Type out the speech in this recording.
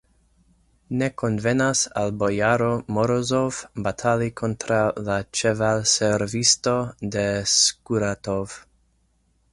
Ne konvenas al bojaro Morozov batali kontraŭ la ĉevalservisto de Skuratov!